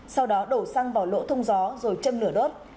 sau đó đổ xăng vào lỗ thông gió rồi châm lửa đốt